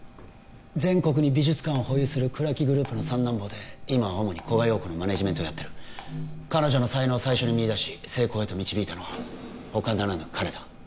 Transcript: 全国に美術館を保有する倉木グループの三男坊で今は主に古賀洋子のマネジメントをやってる彼女の才能を最初に見いだし成功へと導いたのは他ならぬ彼だ